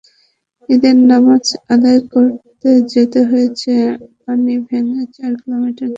ঈদের নামাজ আদায় করতে যেতে হয়েছে পানি ভেঙে চার কিলোমিটার দূরে।